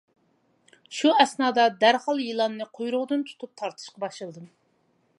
شۇ ئەسنادا دەرھال يىلاننى قۇيرۇقىدىن تۇتۇپ تارتىشقا باشلىدىم.